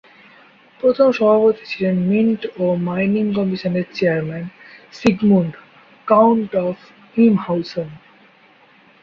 প্রথম সভাপতি ছিলেন মিন্ট ও মাইনিং কমিশনের চেয়ারম্যান সিগমুন্ড, কাউন্ট অফ হিমহাউসন।